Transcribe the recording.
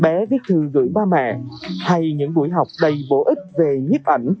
bán hàng bé viết thư gửi ba mẹ hay những buổi học đầy bổ ích về nhiếp ảnh